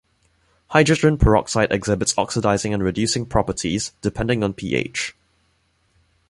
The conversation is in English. Hydrogen peroxide exhibits oxidizing and reducing properties, depending on pH.